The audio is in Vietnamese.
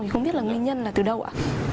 không biết là nguyên nhân là từ đâu ạ